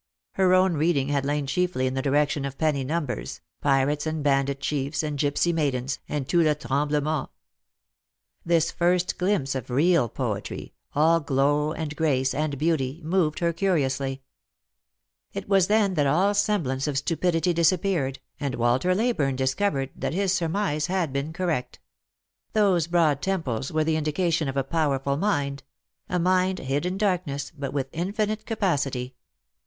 Her own reading had lain chiefly in the direction of penny numbers — pirates and bandit chiefs, and gipsy maidens, Lost for Love. 79 and tout le tremilement. This first glimpse of real poetry — all glow, and grace, and beauty — moved her curiously. It was then that all semblance of stupidity disappeared, and Walter Ley burne discovered that his surmise had been correct. Those broad temples were the indication of a powerful mind ; a mind hid in darkness, but with infinite capacity.